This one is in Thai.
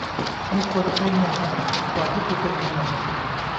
ไม่ควรจะใช้เงินก่อนที่คุณจะมีเงิน